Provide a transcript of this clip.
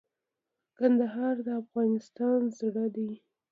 کندهار د افغانستان زړه دي